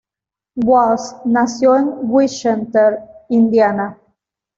Watts nació en Winchester, Indiana.